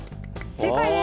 正解です！